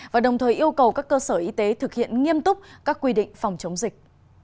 và đồng thời yêu cầu các cơ sở y tế thực hiện nghiêm túc các quy định phòng chống dịch